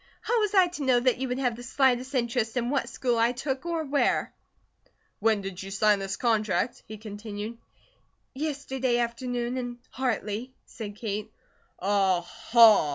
How was I to know that you would have the slightest interest in what school I took, or where." "When did you sign this contract?" he continued. "Yesterday afternoon, in Hartley," said Kate. "Aha!